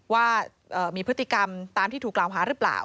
ว่ามีพฤติกรรมตามที่ถูกกล่าวหาหรือเปล่า